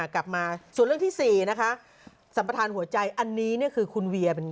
กลับมาส่วนเรื่องที่๔นะคะสัมปทานหัวใจอันนี้เนี่ยคือคุณเวียเป็น